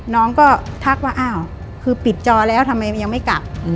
น้องก็ทักว่าอ้าวคือปิดจอแล้วทำไมมันยังไม่กลับ